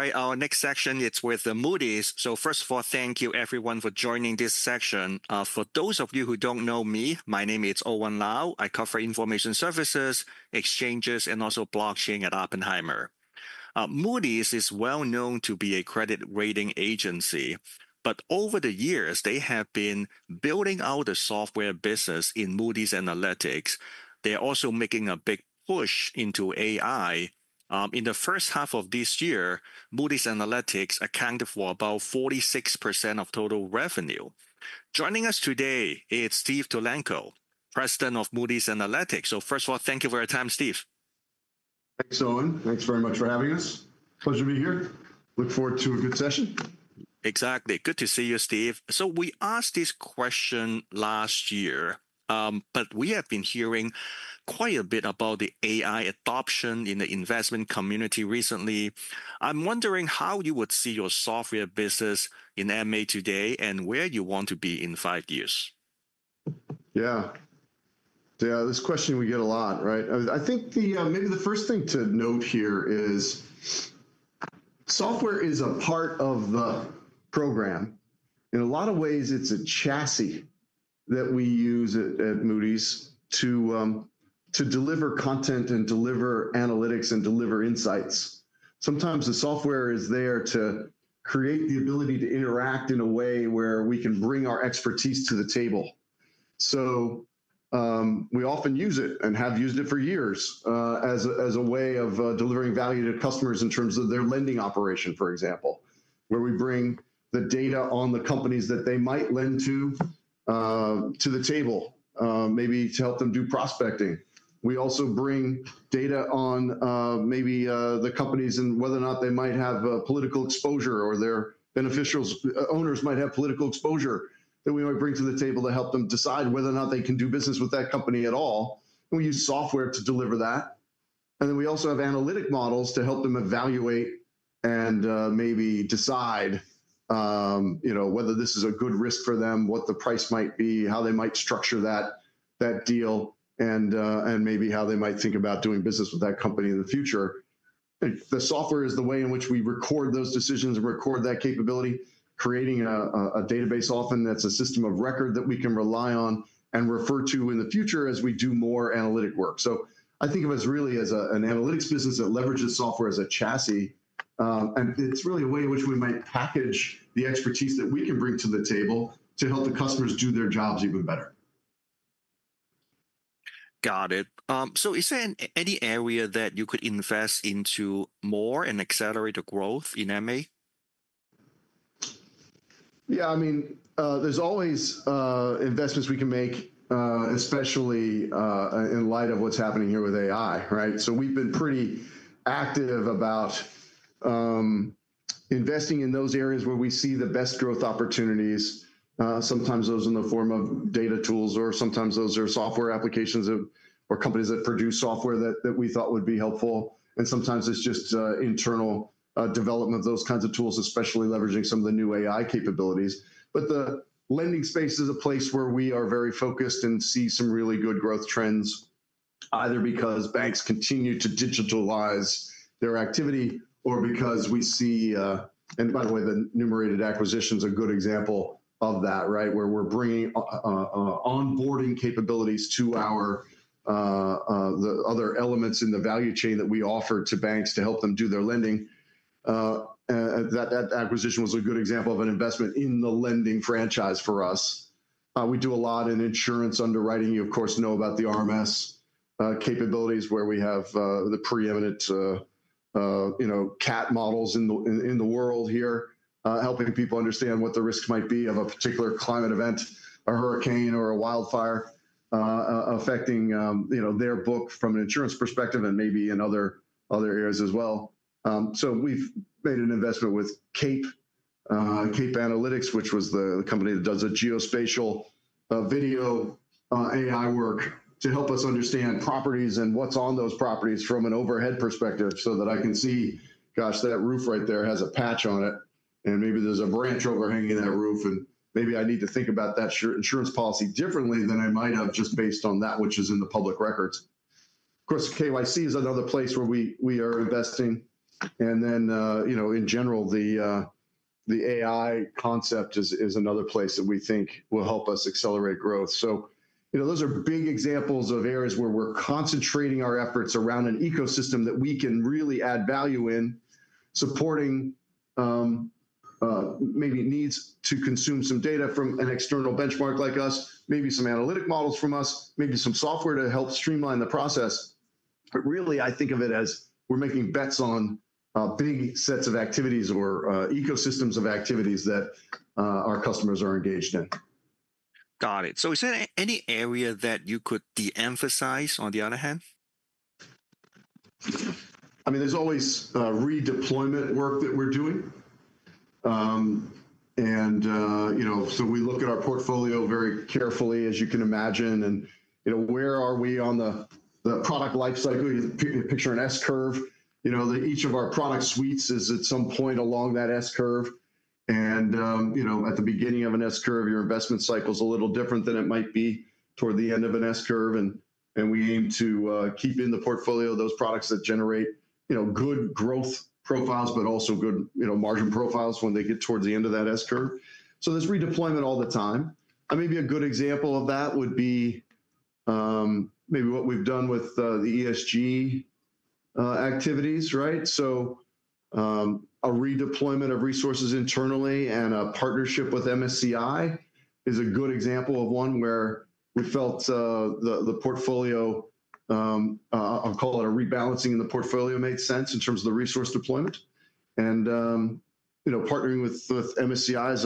All right, our next section is with Moody's. First of all, thank you everyone for joining this section. For those of you who don't know me, my name is Owen Lau. I cover information services, exchanges, and also blockchain at Oppenheimer. Moody's is well known to be a credit rating agency. Over the years, they have been building out a software business in Moody's Analytics. They're also making a big push into AI. In the first half of this year, Moody's Analytics accounted for about 46% of total revenue. Joining us today is Steve Tulenko, President of Moody's Analytics. First of all, thank you for your time, Steve. Thanks, Owen. Thanks very much for having us. Pleasure to be here. Look forward to a good session. Exactly. Good to see you, Steve. We asked this question last year, but we have been hearing quite a bit about the AI adoption in the investment community recently. I'm wondering how you would see your software business in MA today and where you want to be in five years. Yeah, this question we get a lot, right? I think maybe the first thing to note here is software is a part of the program. In a lot of ways, it's a chassis that we use at Moody's to deliver content and deliver analytics and deliver insights. Sometimes the software is there to create the ability to interact in a way where we can bring our expertise to the table. We often use it and have used it for years as a way of delivering value to customers in terms of their lending operation, for example, where we bring the data on the companies that they might lend to the table, maybe to help them do prospecting. We also bring data on maybe the companies and whether or not they might have political exposure or their beneficiaries, owners might have political exposure that we might bring to the table to help them decide whether or not they can do business with that company at all. We use software to deliver that. We also have analytic models to help them evaluate and maybe decide whether this is a good risk for them, what the price might be, how they might structure that deal, and maybe how they might think about doing business with that company in the future. The software is the way in which we record those decisions and record that capability, creating a database often that's a system of record that we can rely on and refer to in the future as we do more analytic work. I think of us really as an analytics business that leverages software as a chassis. It's really a way in which we might package the expertise that we can bring to the table to help the customers do their jobs even better. Got it. Is there any area that you could invest into more and accelerate the growth in MA? Yeah, I mean, there's always investments we can make, especially in light of what's happening here with AI, right? We've been pretty active about investing in those areas where we see the best growth opportunities. Sometimes those in the form of data tools, or sometimes those are software applications or companies that produce software that we thought would be helpful. Sometimes it's just internal development of those kinds of tools, especially leveraging some of the new AI capabilities. The lending space is a place where we are very focused and see some really good growth trends, either because banks continue to digitalize their activity or because we see, and by the way, the enumerated acquisitions are a good example of that, right, where we're bringing onboarding capabilities to our other elements in the value chain that we offer to banks to help them do their lending. That acquisition was a good example of an investment in the lending franchise for us. We do a lot in insurance underwriting. You, of course, know about the RMS capabilities where we have the preeminent CAT models in the world here, helping people understand what the risk might be of a particular climate event, a hurricane, or a wildfire affecting their book from an insurance perspective and maybe in other areas as well. We've made an investment with Cape Analytics, which was the company that does geospatial video AI work to help us understand properties and what's on those properties from an overhead perspective so that I can see, gosh, that roof right there has a patch on it. Maybe there's a branch overhanging that roof. Maybe I need to think about that insurance policy differently than I might have just based on that, which is in the public records. Of course, KYC is another place where we are investing. In general, the AI concept is another place that we think will help us accelerate growth. Those are big examples of areas where we're concentrating our efforts around an ecosystem that we can really add value in, supporting maybe it needs to consume some data from an external benchmark like us, maybe some analytic models from us, maybe some software to help streamline the process. I think of it as we're making bets on big sets of activities or ecosystems of activities that our customers are engaged in. Got it. Is there any area that you could de-emphasize on the other hand? There is always redeployment work that we're doing. We look at our portfolio very carefully, as you can imagine. Where are we on the product life cycle? You can picture an S-curve. Each of our product suites is at some point along that S-curve. At the beginning of an S-curve, your investment cycle is a little different than it might be toward the end of an S-curve. We aim to keep in the portfolio those products that generate good growth profiles, but also good margin profiles when they get towards the end of that S-curve. There is redeployment all the time. Maybe a good example of that would be what we've done with the ESG activities, right? A redeployment of resources internally and a partnership with MSCI is a good example of one where we felt the portfolio, I'll call it a rebalancing in the portfolio, made sense in terms of the resource deployment. Partnering with MSCI is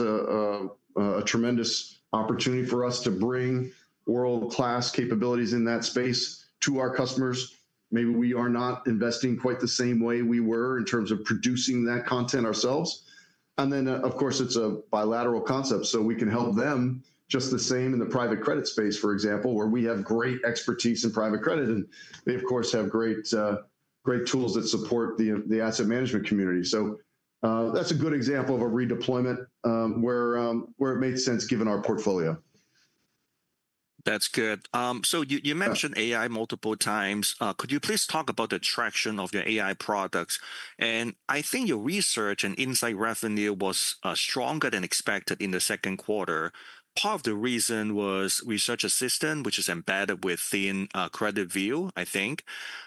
a tremendous opportunity for us to bring world-class capabilities in that space to our customers. Maybe we are not investing quite the same way we were in terms of producing that content ourselves. Of course, it's a bilateral concept. We can help them just the same in the private credit space, for example, where we have great expertise in private credit. They, of course, have great tools that support the asset management community. That's a good example of a redeployment where it makes sense given our portfolio. That's good. You mentioned AI multiple times. Could you please talk about the traction of your AI products? I think your Research and Insights revenue was stronger than expected in the second quarter. Part of the reason was Research Assistant, which is embedded within CreditView, I think.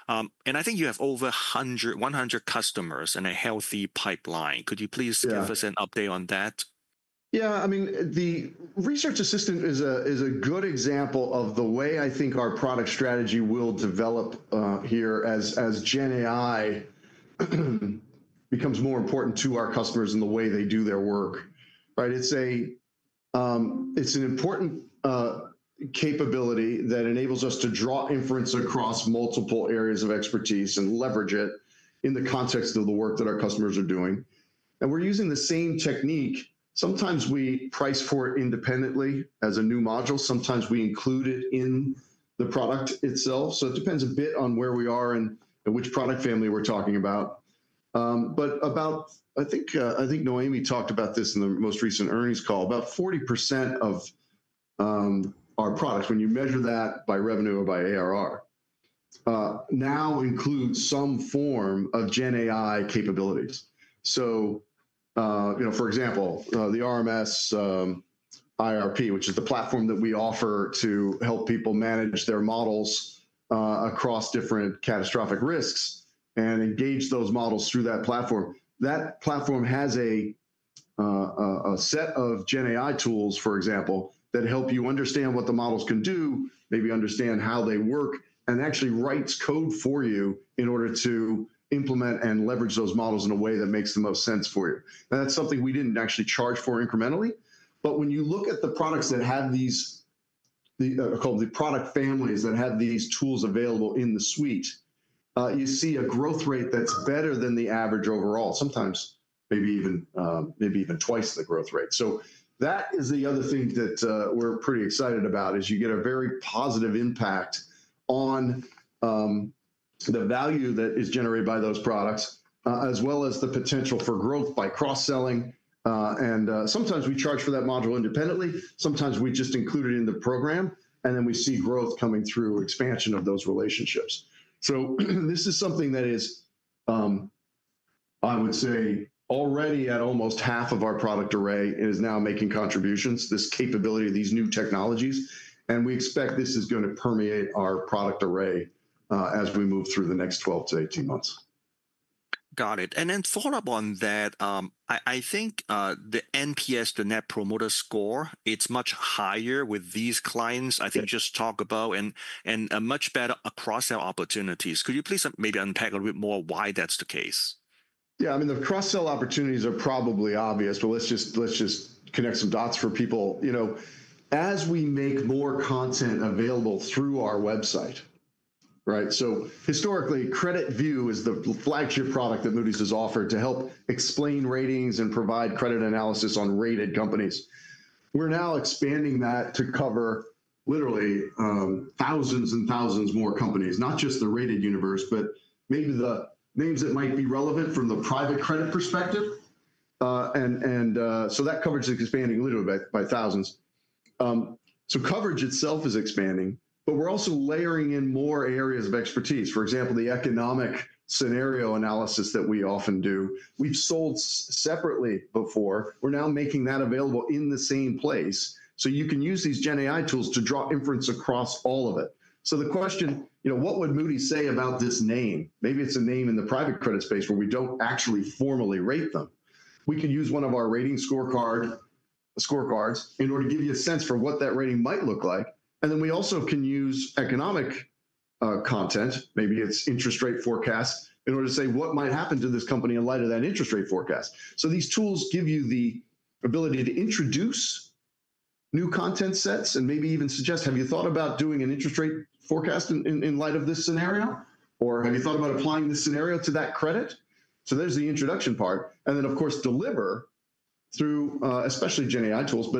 I think you have over 100 customers and a healthy pipeline. Could you please give us an update on that? Yeah, I mean, the Research Assistant is a good example of the way I think our product strategy will develop here as GenAI becomes more important to our customers in the way they do their work. It's an important capability that enables us to draw inference across multiple areas of expertise and leverage it in the context of the work that our customers are doing. We're using the same technique. Sometimes we price for it independently as a new module. Sometimes we include it in the product itself. It depends a bit on where we are and which product family we're talking about. I think Noémie talked about this in the most recent earnings call, about 40% of our products, when you measure that by revenue or by ARR, now include some form of GenAI capabilities. For example, the RMS IRP, which is the platform that we offer to help people manage their models across different catastrophic risks and engage those models through that platform, has a set of GenAI tools that help you understand what the models can do, maybe understand how they work, and actually write code for you in order to implement and leverage those models in a way that makes the most sense for you. That's something we didn't actually charge for incrementally. When you look at the products that had these, I call them the product families that had these tools available in the suite, you see a growth rate that's better than the average overall, sometimes maybe even twice the growth rate. That is the other thing that we're pretty excited about, you get a very positive impact on the value that is generated by those products, as well as the potential for growth by cross-selling. Sometimes we charge for that module independently. Sometimes we just include it in the program. We see growth coming through expansion of those relationships. This is something that is, I would say, already at almost half of our product array, it is now making contributions, this capability of these new technologies. We expect this is going to permeate our product array as we move through the next 12-18 months. Got it. To follow up on that, I think the Net Promoter Scores, it's much higher with these clients I think you just talked about and much better cross-sell opportunities. Could you please maybe unpack a little bit more why that's the case? Yeah, I mean, the cross-sell opportunities are probably obvious, but let's just connect some dots for people. You know, as we make more content available through our website, right? Historically, CreditView is the flagship product that Moody's has offered to help explain ratings and provide credit analysis on rated companies. We're now expanding that to cover literally thousands and thousands more companies, not just the rated universe, but maybe the names that might be relevant from the private credit perspective. That coverage is expanding literally by thousands. Coverage itself is expanding, but we're also layering in more areas of expertise. For example, the economic scenario analysis that we often do, we've sold separately before. We're now making that available in the same place. You can use these GenAI tools to draw inference across all of it. The question, you know, what would Moody's say about this name? Maybe it's a name in the private credit space where we don't actually formally rate them. We can use one of our rating scorecards in order to give you a sense for what that rating might look like. We also can use economic content, maybe it's interest rate forecasts, in order to say what might happen to this company in light of that interest rate forecast. These tools give you the ability to introduce new content sets and maybe even suggest, have you thought about doing an interest rate forecast in light of this scenario? Or have you thought about applying this scenario to that credit? There's the introduction part. Of course, deliver through especially GenAI tools.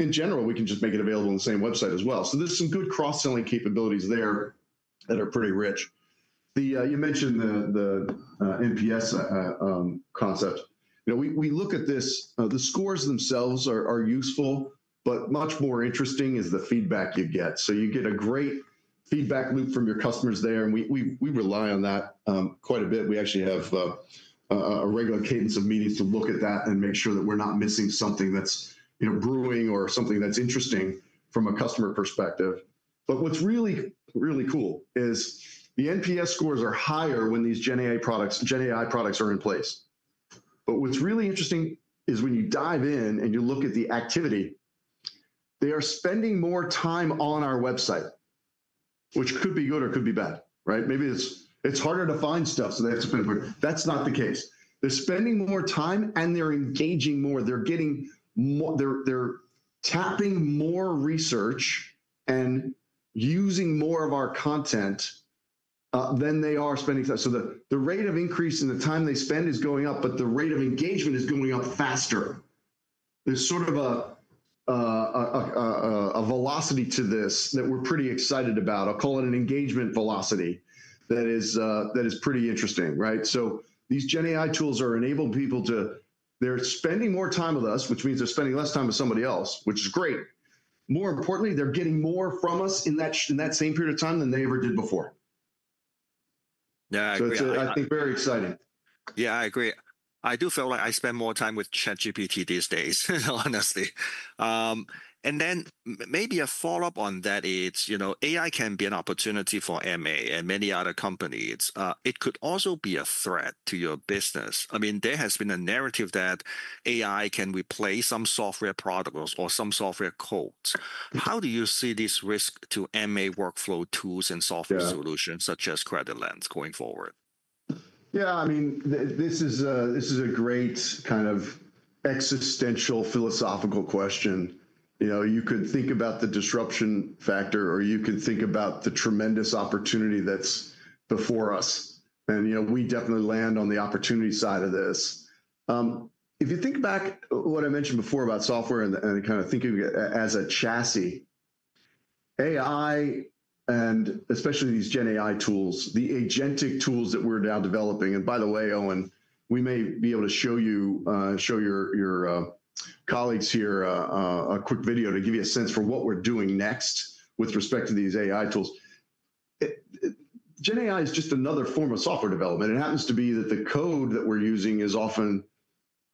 In general, we can just make it available on the same website as well. There are some good cross-selling capabilities there that are pretty rich. You mentioned the NPS concept. We look at this. The scores themselves are useful, but much more interesting is the feedback you get. You get a great feedback loop from your customers there. We rely on that quite a bit. We actually have a regular cadence of meetings to look at that and make sure that we're not missing something that's grueling or something that's interesting from a customer perspective. What's really, really cool is the Net Promoter Scores are higher when these GenAI products are in place. What's really interesting is when you dive in and you look at the activity, they are spending more time on our website, which could be good or could be bad, right? Maybe it's harder to find stuff, so they have to spend more. That's not the case. They're spending more time, and they're engaging more. They're tapping more research and using more of our content than they are spending time. The rate of increase in the time they spend is going up, but the rate of engagement is going up faster. There is sort of a velocity to this that we're pretty excited about. I'll call it an engagement velocity that is pretty interesting, right? These GenAI tools are enabling people to, they're spending more time with us, which means they're spending less time with somebody else, which is great. More importantly, they're getting more from us in that same period of time than they ever did before. Yeah, I agree. I think very exciting. Yeah, I agree. I do feel like I spend more time with ChatGPT these days, honestly. Maybe a follow-up on that is, you know, AI can be an opportunity for Moody's Analytics and many other companies. It could also be a threat to your business. There has been a narrative that AI can replace some software products or some software codes. How do you see this risk to Moody's Analytics workflow tools and software solutions such as CreditLens going forward? Yeah, I mean, this is a great kind of existential philosophical question. You know, you could think about the disruption factor, or you could think about the tremendous opportunity that's before us. You know, we definitely land on the opportunity side of this. If you think back to what I mentioned before about software and kind of thinking as a chassis, AI and especially these GenAI tools, the agentic AI modules that we're now developing, and by the way, Owen, we may be able to show you, show your colleagues here a quick video to give you a sense for what we're doing next with respect to these AI tools. GenAI is just another form of software development. It happens to be that the code that we're using is often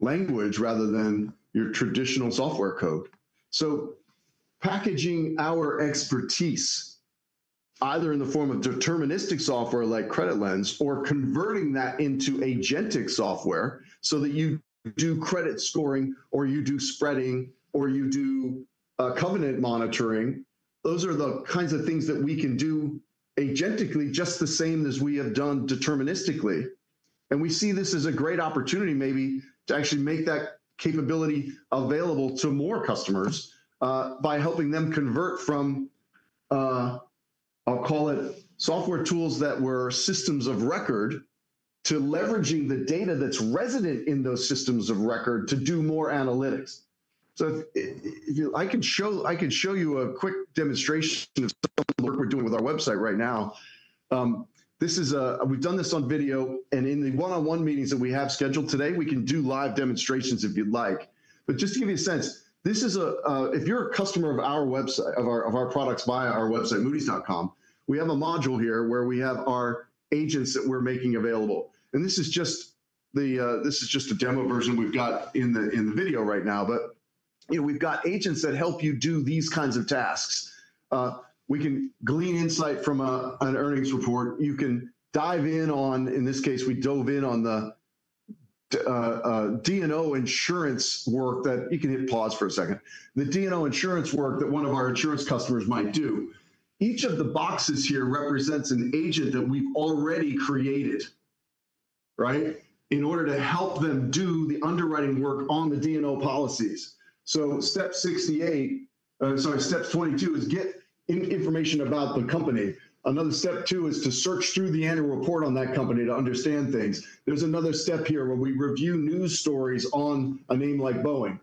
language rather than your traditional software code. Packaging our expertise either in the form of deterministic software like CreditLens or converting that into agentic software so that you do credit scoring or you do spreading or you do covenant monitoring, those are the kinds of things that we can do agentically just the same as we have done deterministically. We see this as a great opportunity maybe to actually make that capability available to more customers by helping them convert from, I'll call it software tools that were systems of record to leveraging the data that's resident in those systems of record to do more analytics. If you, I can show you a quick demonstration of the work we're doing with our website right now. We've done this on video. In the one-on-one meetings that we have scheduled today, we can do live demonstrations if you'd like. Just to give you a sense, if you're a customer of our website, of our products via our website, moodys.com, we have a module here where we have our agents that we're making available. This is just a demo version we've got in the video right now. We've got agents that help you do these kinds of tasks. We can glean insight from an earnings report. You can dive in on, in this case, we dove in on the D&O insurance work that you can hit pause for a second. The D&O insurance work that one of our insurance customers might do. Each of the boxes here represents an agent that we've already created, right? In order to help them do the underwriting work on the D&O policies. Step 68, sorry, step 22 is get information about the company. Another step two is to search through the annual report on that company to understand things. There's another step here where we review news stories on a name like Boeing.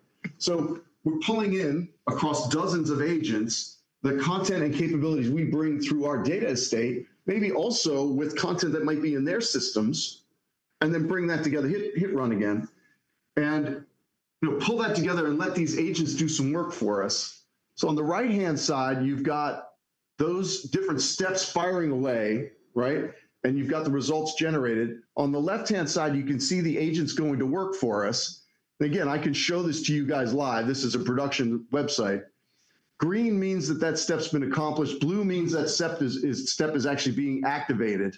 We're pulling in across dozens of agents, the content and capabilities we bring through our data estate, maybe also with content that might be in their systems, and then bring that together, hit run again, and pull that together and let these agents do some work for us. On the right-hand side, you've got those different steps firing away, right? You've got the results generated. On the left-hand side, you can see the agents going to work for us. I can show this to you guys live. This is a production website. Green means that that step's been accomplished. Blue means that step is actually being activated.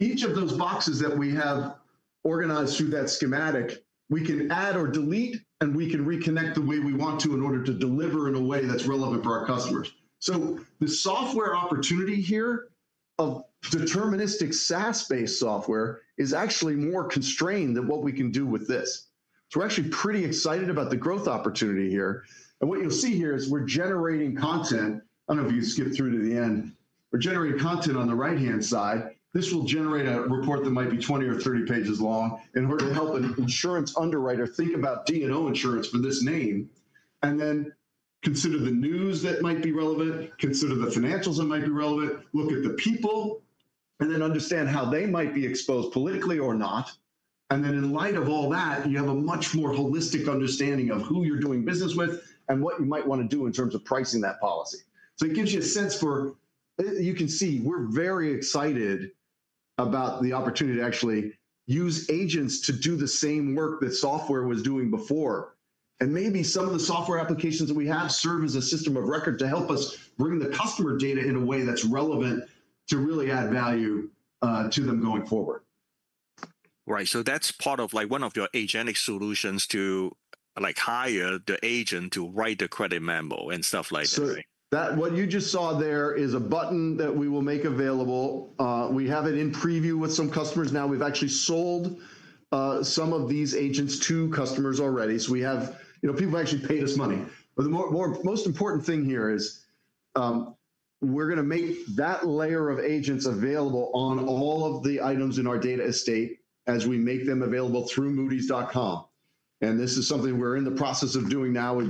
Each of those boxes that we have organized through that schematic, we can add or delete, and we can reconnect the way we want to in order to deliver in a way that's relevant for our customers. The software opportunity here of deterministic SaaS-based software is actually more constrained than what we can do with this. We're actually pretty excited about the growth opportunity here. What you'll see here is we're generating content. I don't know if you can skip through it at the end. We're generating content on the right-hand side. This will generate a report that might be 20 or 30 pages long in order to help an insurance underwriter think about D&O insurance for this name. Then consider the news that might be relevant, consider the financials that might be relevant, look at the people, and then understand how they might be exposed politically or not. In light of all that, you have a much more holistic understanding of who you're doing business with and what you might want to do in terms of pricing that policy. It gives you a sense for, you can see we're very excited about the opportunity to actually use agents to do the same work that software was doing before. Maybe some of the software applications that we have serve as a system of record to help us bring the customer data in a way that's relevant to really add value to them going forward. Right. That's part of one of your agentic AI modules to hire the agent to write the credit memo and stuff like that. What you just saw there is a button that we will make available. We have it in preview with some customers. Now we've actually sold some of these agents to customers already. We have, you know, people have actually paid us money. The most important thing here is we're going to make that layer of agents available on all of the items in our data estate as we make them available through moodys.com. This is something we're in the process of doing now. We've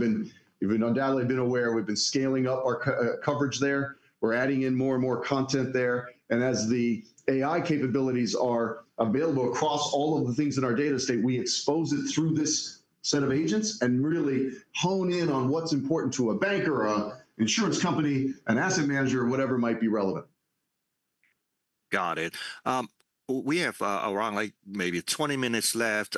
undoubtedly been aware. We've been scaling up our coverage there, adding in more and more content there. As the AI capabilities are available across all of the things in our data estate, we expose it through this set of agents and really hone in on what's important to a banker, an insurance company, an asset manager, or whatever might be relevant. Got it. We have around maybe 20 minutes left.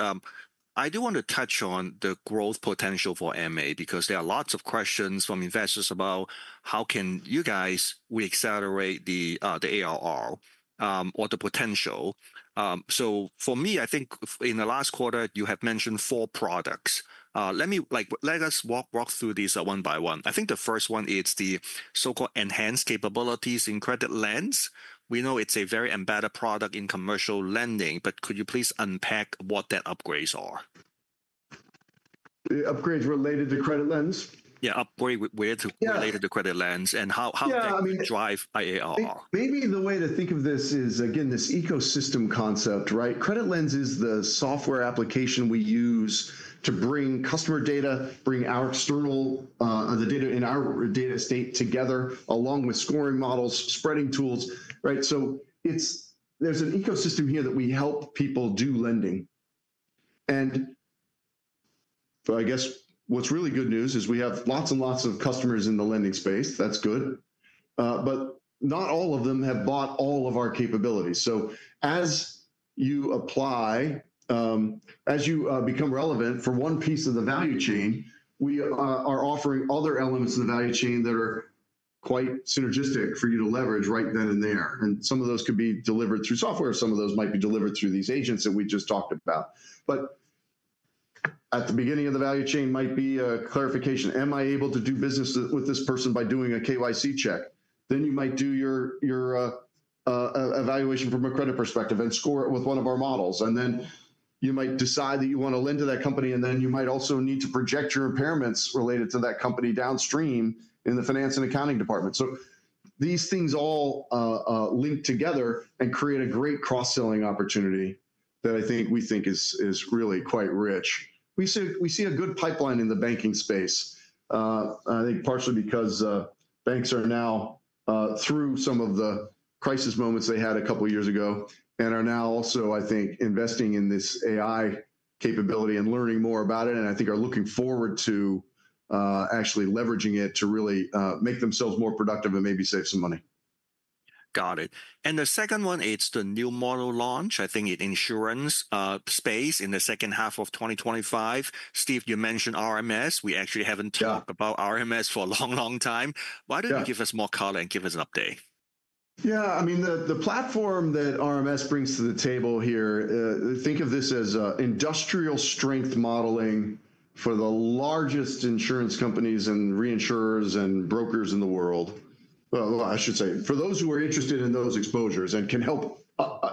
I do want to touch on the growth potential for MA because there are lots of questions from investors about how can you guys accelerate the ARR or the potential. For me, I think in the last quarter, you have mentioned four products. Let me let us walk through these one by one. I think the first one is the so-called enhanced capabilities in CreditLens. We know it's a very embedded product in commercial lending, but could you please unpack what that upgrades are? The upgrades related to CreditLens? Yeah, upgrades related to CreditLens and how that drives ARR. Maybe the way to think of this is, again, this ecosystem concept, right? CreditLens is the software application we use to bring customer data, bring our external data in our data estate together along with scoring models, spreading tools, right? There is an ecosystem here that we help people do lending. What's really good news is we have lots and lots of customers in the lending space. That's good. Not all of them have bought all of our capabilities. As you apply, as you become relevant for one piece of the value chain, we are offering other elements of the value chain that are quite synergistic for you to leverage right then and there. Some of those could be delivered through software. Some of those might be delivered through these agents that we just talked about. At the beginning of the value chain might be a clarification. Am I able to do business with this person by doing a KYC check? You might do your evaluation from a credit perspective and score it with one of our models. You might decide that you want to lend to that company. You might also need to project your impairments related to that company downstream in the finance and accounting department. These things all link together and create a great cross-selling opportunity that I think we think is really quite rich. We see a good pipeline in the banking space. I think partially because banks are now through some of the crisis moments they had a couple of years ago and are now also, I think, investing in this AI capability and learning more about it. I think they're looking forward to actually leveraging it to really make themselves more productive and maybe save some money. Got it. The second one is the new model launch. I think in the insurance space in the second half of 2025. Steve, you mentioned RMS. We actually haven't talked about RMS for a long, long time. Why don't you give us more color and give us an update? Yeah, I mean, the platform that RMS brings to the table here, think of this as industrial strength modeling for the largest insurance companies and reinsurers and brokers in the world. I should say for those who are interested in those exposures and can help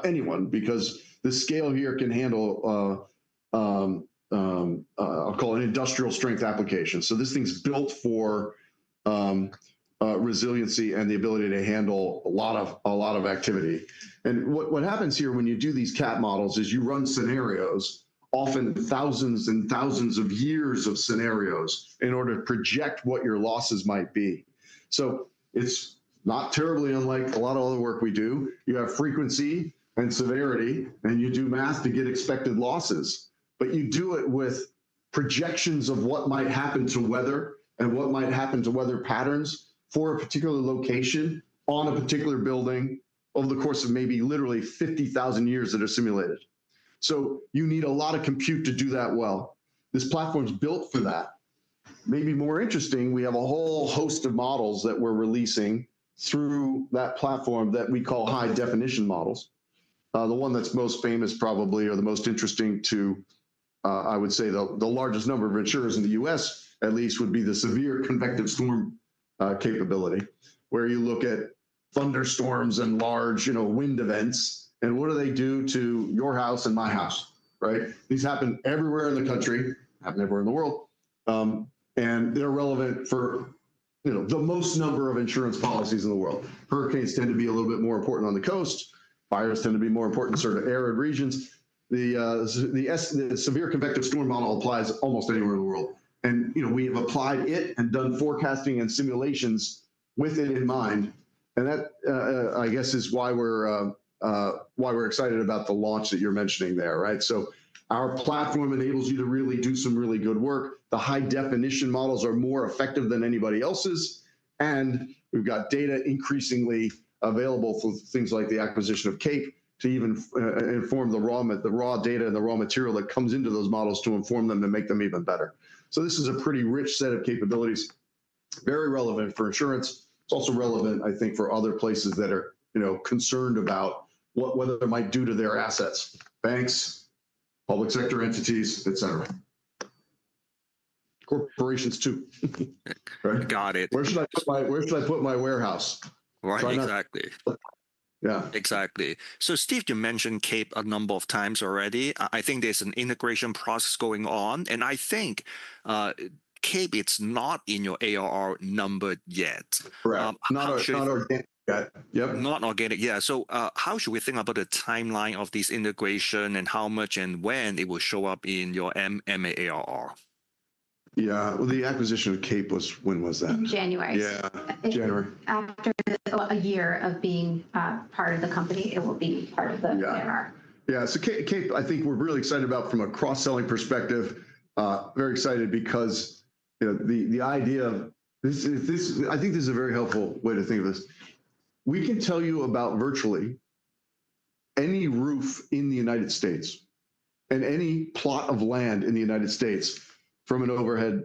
anyone because the scale here can handle, I'll call it an industrial strength application. This thing's built for resiliency and the ability to handle a lot of activity. What happens here when you do these CAT models is you run scenarios, often thousands and thousands of years of scenarios in order to project what your losses might be. It's not terribly unlike a lot of other work we do. You have frequency and severity, and you do math to get expected losses. You do it with projections of what might happen to weather and what might happen to weather patterns for a particular location on a particular building over the course of maybe literally 50,000 years that are simulated. You need a lot of compute to do that well. This platform's built for that. Maybe more interesting, we have a whole host of models that we're releasing through that platform that we call high-definition models. The one that's most famous probably or the most interesting to, I would say, the largest number of insurers in the U.S. at least would be the severe convective storm capability where you look at thunderstorms and large, you know, wind events. What do they do to your house and my house, right? These happen everywhere in the country, happen everywhere in the world. They're relevant for, you know, the most number of insurance policies in the world. Hurricanes tend to be a little bit more important on the coast. Fires tend to be more important in sort of arid regions. The severe convective storm model applies almost anywhere in the world. We have applied it and done forecasting and simulations with it in mind. That, I guess, is why we're excited about the launch that you're mentioning there, right? Our platform enables you to really do some really good work. The high-definition models are more effective than anybody else's. We've got data increasingly available for things like the acquisition of Cape Analytics to even inform the raw data and the raw material that comes into those models to inform them and make them even better. This is a pretty rich set of capabilities, very relevant for insurance. It's also relevant, I think, for other places that are, you know, concerned about what weather might do to their assets, banks, public sector entities, et cetera, corporations too. Got it. Where should I put my warehouse? Right, exactly. Yeah. Exactly. Steve, you mentioned Cape Analytics a number of times already. I think there's an integration process going on. I think Cape Analytics is not in your ARR number yet. Correct. Not organic. Not organic, yeah. How should we think about the timeline of this integration and how much and when it will show up in your MA ARR? Yeah, the acquisition of Cape Analytics was when was that? In January. Yeah. I think after a year of being part of the company, it will be part of the ARR. Yeah, so Cape Analytics, I think we're really excited about from a cross-sell opportunities perspective. Very excited because, you know, the idea of this, I think this is a very helpful way to think of this. We can tell you about virtually any roof in the United States and any plot of land in the United States from an overhead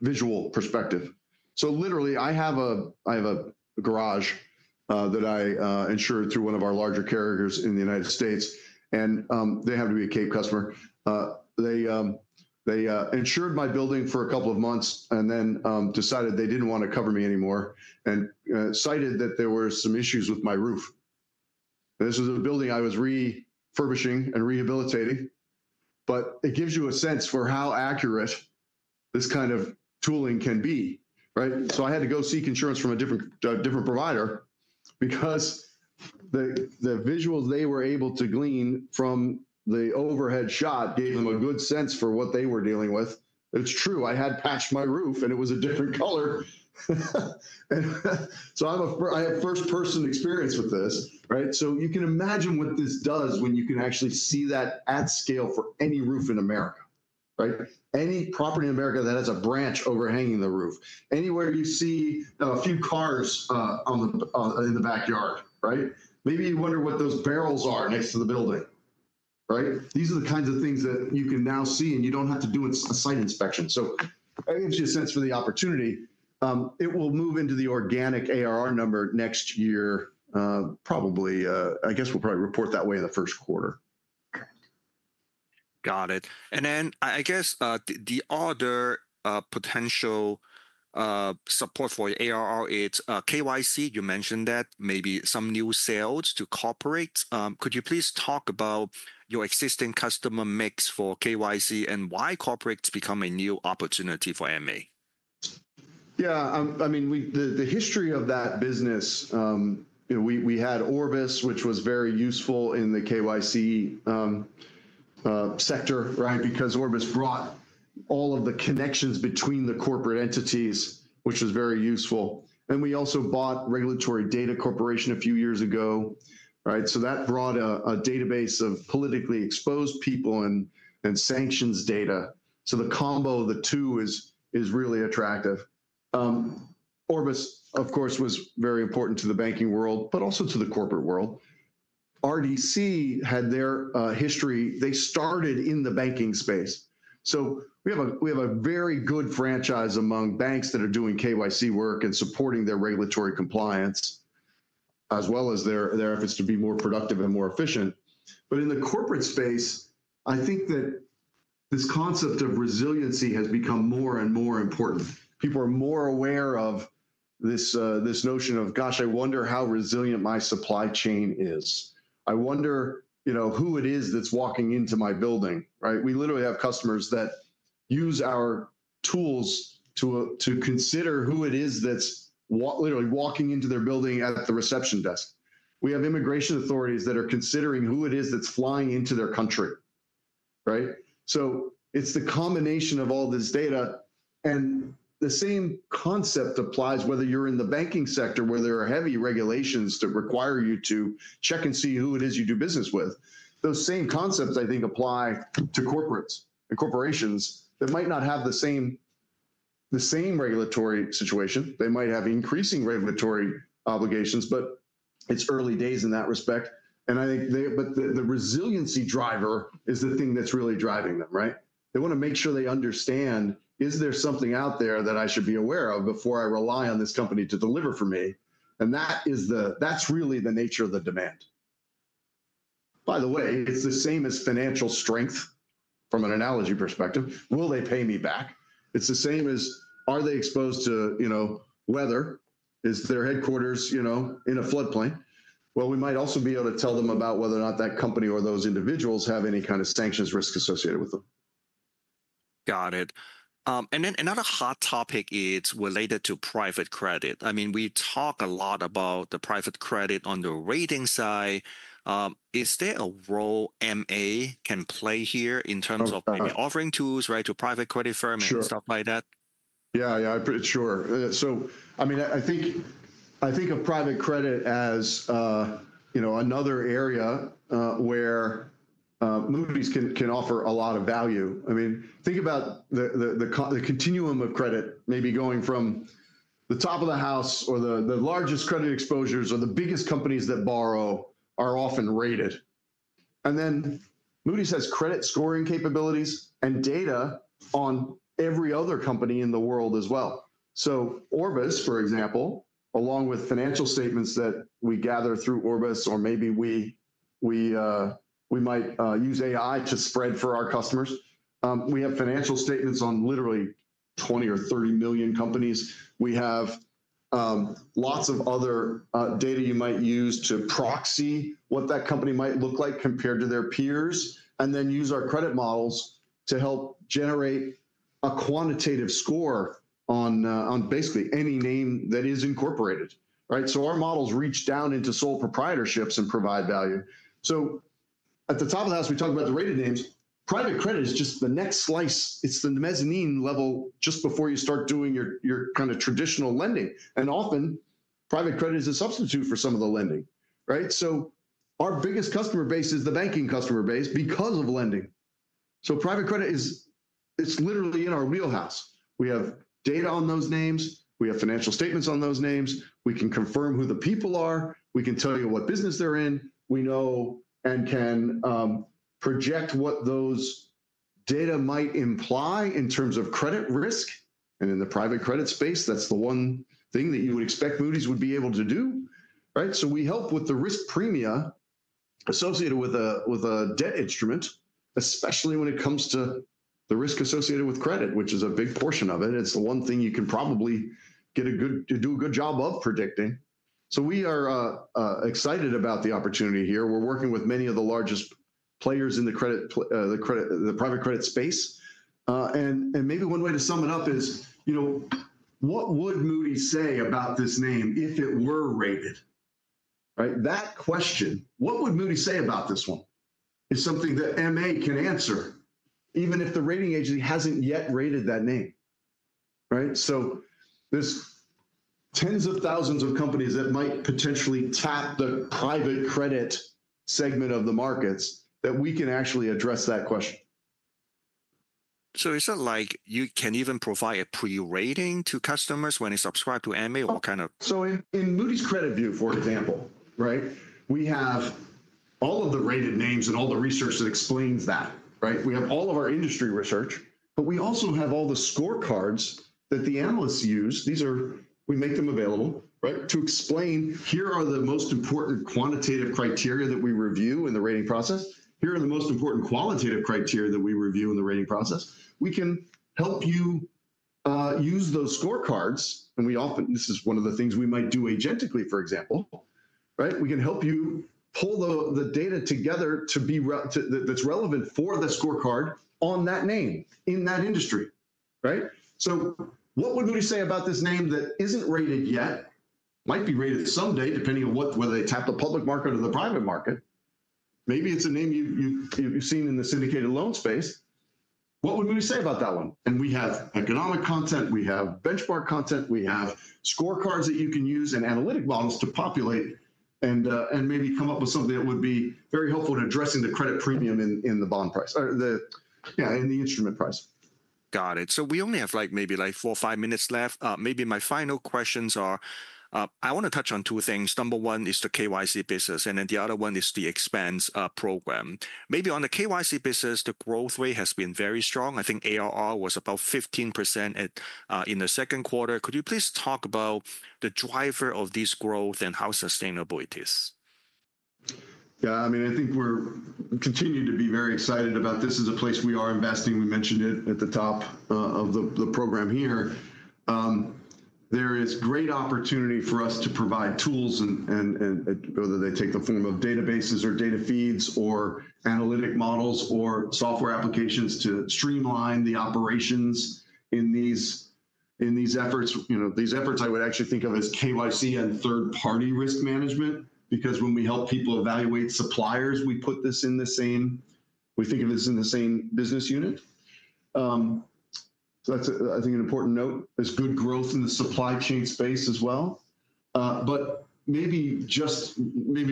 visual perspective. Literally, I have a garage that I insured through one of our larger carriers in the United States. They happen to be a Cape Analytics customer. They insured my building for a couple of months and then decided they didn't want to cover me anymore and cited that there were some issues with my roof. This was a building I was refurbishing and rehabilitating. It gives you a sense for how accurate this kind of tooling can be, right? I had to go seek insurance from a different provider because the visuals they were able to glean from the overhead shot gave them a good sense for what they were dealing with. It's true. I had patched my roof and it was a different color. I have first-person experience with this, right? You can imagine what this does when you can actually see that at scale for any roof in America, right? Any property in America that has a branch overhanging the roof. Anywhere you see a few cars in the backyard, right? Maybe you wonder what those barrels are next to the building, right? These are the kinds of things that you can now see and you don't have to do a site inspection. It gives you a sense for the opportunity. It will move into the organic ARR number next year, probably. I guess we'll probably report that way in the first quarter. Got it. I guess the other potential support for ARR is KYC. You mentioned that maybe some new sales to corporates. Could you please talk about your existing customer mix for KYC and why corporates become a new opportunity for MA? Yeah, I mean, the history of that business, you know, we had Orbis, which was very useful in the KYC sector, right? Because Orbis brought all of the connections between the corporate entities, which was very useful. We also bought Regulatory Data Corporation a few years ago, right? That brought a database of politically exposed people and sanctions data. The combo of the two is really attractive. Orbis, of course, was very important to the banking world, but also to the corporate world. RDC had their history. They started in the banking space. We have a very good franchise among banks that are doing KYC work and supporting their regulatory compliance, as well as their efforts to be more productive and more efficient. In the corporate space, I think that this concept of resiliency has become more and more important. People are more aware of this notion of, gosh, I wonder how resilient my supply chain is. I wonder, you know, who it is that's walking into my building, right? We literally have customers that use our tools to consider who it is that's literally walking into their building at the reception desk. We have immigration authorities that are considering who it is that's flying into their country, right? It's the combination of all this data. The same concept applies whether you're in the banking sector where there are heavy regulations that require you to check and see who it is you do business with. Those same concepts, I think, apply to corporates and corporations that might not have the same regulatory situation. They might have increasing regulatory obligations, but it's early days in that respect. I think the resiliency driver is the thing that's really driving them, right? They want to make sure they understand, is there something out there that I should be aware of before I rely on this company to deliver for me? That's really the nature of the demand. By the way, it's the same as financial strength from an analogy perspective. Will they pay me back? It's the same as, are they exposed to, you know, weather? Is their headquarters, you know, in a floodplain? We might also be able to tell them about whether or not that company or those individuals have any kind of sanctions risks associated with them. Got it. Another hot topic is related to private credit. I mean, we talk a lot about the private credit on the rating side. Is there a role MA can play here in terms of offering tools to private credit firms and stuff like that? Yeah, I'm pretty sure. I think of private credit as another area where Moody's can offer a lot of value. Think about the continuum of credit, maybe going from the top of the house or the largest credit exposures or the biggest companies that borrow are often rated. Moody's has credit scoring capabilities and data on every other company in the world as well. Orbis, for example, along with financial statements that we gather through Orbis, or maybe we might use AI to spread for our customers. We have financial statements on literally 20 million or 30 million companies. We have lots of other data you might use to proxy what that company might look like compared to their peers and then use our credit models to help generate a quantitative score on basically any name that is incorporated, right? Our models reach down into sole proprietorships and provide value. At the top of the house, we talk about the rated names. Private credit is just the next slice. It's the mezzanine level just before you start doing your kind of traditional lending. Often, private credit is a substitute for some of the lending, right? Our biggest customer base is the banking customer base because of lending. Private credit is literally in our wheelhouse. We have data on those names. We have financial statements on those names. We can confirm who the people are. We can tell you what business they're in. We know and can project what those data might imply in terms of credit risk. In the private credit space, that's the one thing that you would expect Moody's would be able to do, right? We help with the risk premia associated with a debt instrument, especially when it comes to the risk associated with credit, which is a big portion of it. It's the one thing you can probably do a good job of predicting. We are excited about the opportunity here. We're working with many of the largest players in the private credit space. Maybe one way to sum it up is, what would Moody's say about this name if it were rated, right? That question, what would Moody's say about this one is something that MA can answer, even if the rating agent hasn't yet rated that name, right? There are tens of thousands of companies that might potentially tap the private credit segment of the markets that we can actually address that question. Is it like you can even provide a pre-rating to customers when they subscribe to MA or kind of? In Moody's CreditView, for example, we have all of the rated names and all the research that explains that. We have all of our industry research, but we also have all the scorecards that the analysts use. These are, we make them available to explain, here are the most important quantitative criteria that we review in the rating process. Here are the most important qualitative criteria that we review in the rating process. We can help you use those scorecards. We often, this is one of the things we might do agentically, for example. We can help you pull the data together that's relevant for the scorecard on that name in that industry. What would Moody's say about this name that isn't rated yet? It might be rated someday, depending on whether they tap the public market or the private market. Maybe it's a name you've seen in the syndicated loan space. What would Moody's say about that one? We have economic content. We have benchmark content. We have scorecards that you can use and analytic models to populate and maybe come up with something that would be very helpful in addressing the credit premium in the bond price or in the instrument price. Got it. We only have like maybe four or five minutes left. Maybe my final questions are, I want to touch on two things. Number one is the KYC basis, and then the other one is the expense program. Maybe on the KYC basis, the growth rate has been very strong. I think ARR was about 15% in the second quarter. Could you please talk about the driver of this growth and how sustainable it is? Yeah, I mean, I think we're continuing to be very excited about this. This is a place we are investing. We mentioned it at the top of the program here. There is great opportunity for us to provide tools, and whether they take the form of databases or data feeds or analytic models or software applications to streamline the operations in these efforts. These efforts I would actually think of as KYC and third-party risk management because when we help people evaluate suppliers, we put this in the same, we think of it as in the same business unit. That's, I think, an important note. There's good growth in the supply chain space as well. Maybe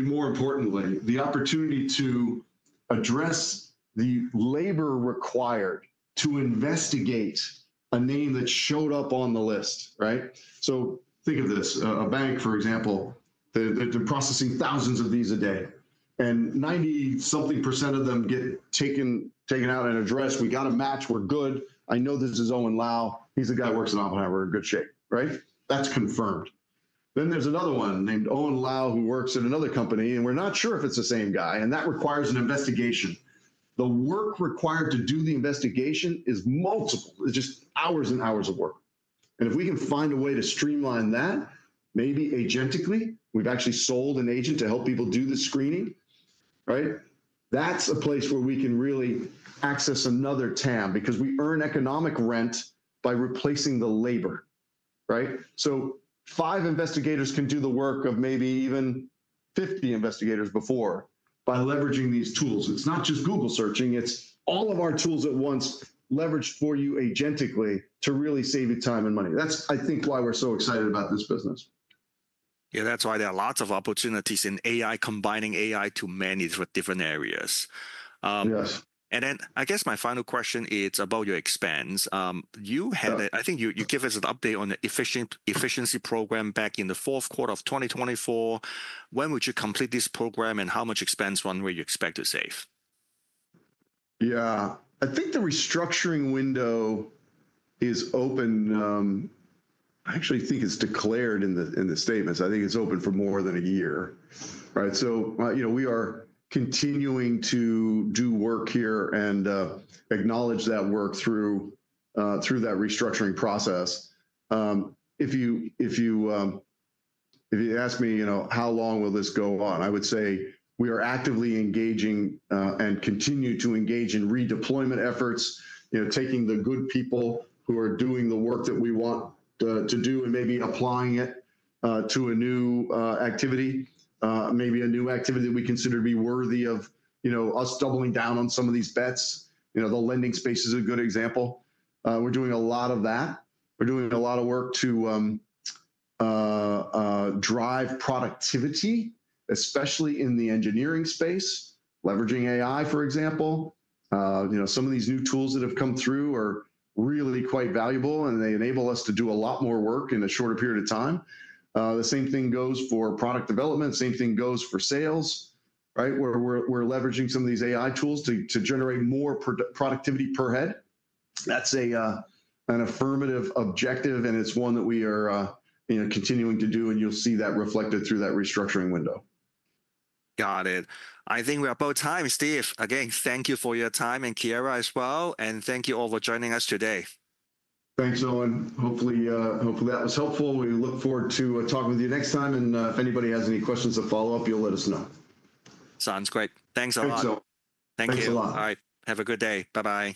more importantly, the opportunity to address the labor required to investigate a name that showed up on the list, right? Think of this, a bank, for example, they're processing thousands of these a day. And 90-something percent of them get taken out and addressed. We got a match. We're good. I know this is Owen Lau. He's a guy who works at Alpha. We're in good shape, right? That's confirmed. Then there's another one named Owen Lau who works at another company, and we're not sure if it's the same guy. That requires an investigation. The work required to do the investigation is multiple. It's just hours and hours of work. If we can find a way to streamline that, maybe agentically, we've actually sold an agent to help people do the screening, right? That's a place where we can really access another tab because we earn economic rent by replacing the labor, right? Five investigators can do the work of maybe even 50 investigators before by leveraging these tools. It's not just Google searching. It's all of our tools at once leveraged for you agentically to really save you time and money. That's, I think, why we're so excited about this business. Yeah, that's why there are lots of opportunities in AI, combining AI to many different areas. Yeah. I guess my final question is about your expense. You had, I think you gave us an update on the efficiency program back in the fourth quarter of 2024. When would you complete this program, and how much expense runway do you expect to save? Yeah, I think the restructuring window is open. I actually think it's declared in the statements. I think it's open for more than a year, right? We are continuing to do work here and acknowledge that work through that restructuring process. If you ask me how long will this go on, I would say we are actively engaging and continue to engage in redeployment efforts, taking the good people who are doing the work that we want to do and maybe applying it to a new activity, maybe a new activity that we consider to be worthy of us doubling down on some of these bets. The lending space is a good example. We're doing a lot of that. We're doing a lot of work to drive productivity, especially in the engineering space, leveraging AI, for example. Some of these new tools that have come through are really quite valuable, and they enable us to do a lot more work in a shorter period of time. The same thing goes for product development. The same thing goes for sales, right? We're leveraging some of these AI tools to generate more productivity per head. That's an affirmative objective, and it's one that we are continuing to do, and you'll see that reflected through that restructuring window. Got it. I think we're about time. Steve, again, thank you for your time and Kiera as well. Thank you all for joining us today. Thanks, Owen. Hopefully, that was helpful. We look forward to talking with you next time. If anybody has any questions or follow-up, you'll let us know. Sounds great. Thanks a lot. Thanks, Owen. Thank you. Thanks a lot. All right. Have a good day. Bye-bye.